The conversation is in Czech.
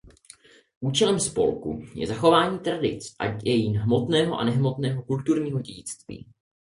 Účelem spolku je zachovávání tradic a dějin hmotného a nehmotného kulturního dědictví.